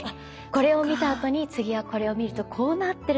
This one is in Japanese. これを見たあとに次はこれを見るとこうなってるのかって。